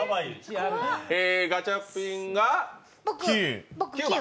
ガチャピンが９？